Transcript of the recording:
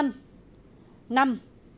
năm tính đạo đức và chính xác